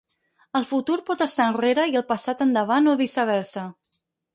El futur pot estar enrere i el passat endavant o viceversa.